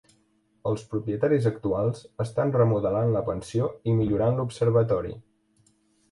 Els propietaris actuals estan remodelant la pensió i millorant l'observatori.